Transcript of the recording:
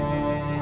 kan aperian padamu